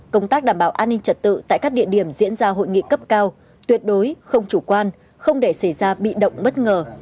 công tác đảm bảo an ninh trật tự tại các địa điểm diễn ra hội nghị cấp cao tuyệt đối không chủ quan không để xảy ra bị động bất ngờ